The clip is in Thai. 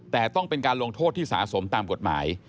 แต่ต้องเป็นการลงโทษที่สะสมตามกฎหมาย